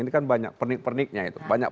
ini kan banyak pernik perniknya itu banyak